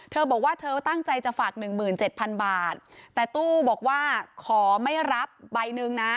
เธอบอกว่าเธอตั้งใจจะฝาก๑หมื่น๗๐๐๐บาทแต่ตู้บอกว่าขอไม่รับใบนึงนะ